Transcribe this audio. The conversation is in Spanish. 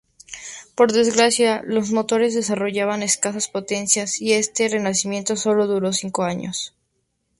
Por desgracia, los motores desarrollaban escasa potencia, y este renacimiento sólo duró cinco años.